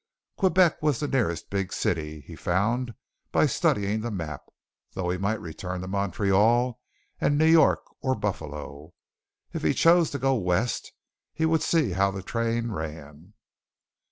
Quebec was the nearest big city, he found by studying the map, though he might return to Montreal and New York or Buffalo, if he chose to go west he would see how the train ran.